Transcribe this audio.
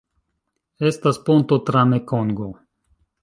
Estas ponto tra Mekongo.